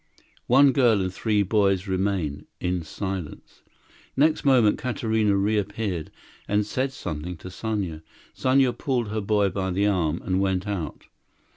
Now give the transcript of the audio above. One girl and three boys remained—in silence. Next moment Katarina reappeared, and said something to Sanya. Sanya pulled her boy by the arm, and went out.